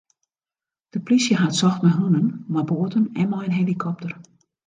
De plysje hat socht mei hûnen, mei boaten en mei in helikopter.